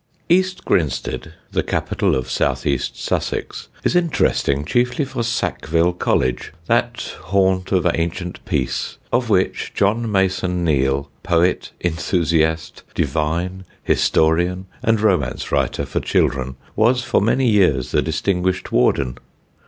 East Grinstead, the capital of north east Sussex, is interesting chiefly for Sackville College, that haunt of ancient peace of which John Mason Neale, poet, enthusiast, divine, historian, and romance writer for children, was for many years the distinguished Warden.